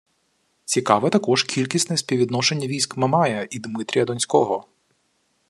Цікаве також кількісне співвідношення військ Мамая і Димитрія Донського